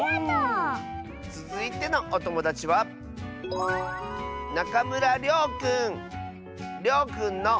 つづいてのおともだちはりょうくんの。